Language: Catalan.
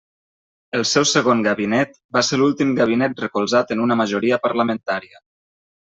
El seu segon gabinet va ser l'últim gabinet recolzat en una majoria parlamentària.